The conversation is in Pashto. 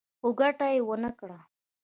خو ګټه يې ونه کړه.